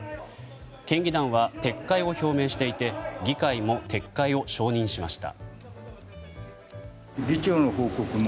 県議団は撤回を表明していて議会も撤回を承認しました。